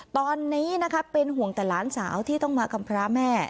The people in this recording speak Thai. ตอนนี้นะคะเป็นห่วงแต่หลานสาวที่ต้องมากำพระแม่